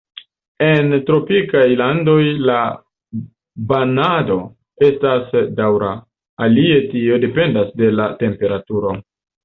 En tropikaj landoj la banado estas daŭra, alie tio dependas de la temperaturo.